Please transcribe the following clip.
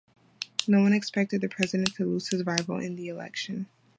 No one expected the President to lose his rival in the election.